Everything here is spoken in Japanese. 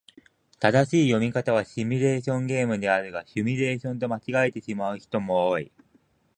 正しい読み方はシミュレーションゲームであるが、シュミレーションと間違えてしまう人も多い。